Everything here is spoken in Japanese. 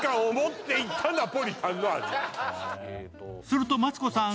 すると、マツコさん